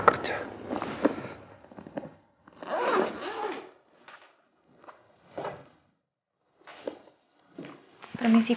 dengar gak mok formatcu